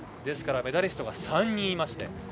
ですからメダリストが３人います。